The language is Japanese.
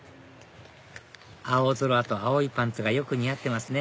青空と青いパンツがよく似合ってますね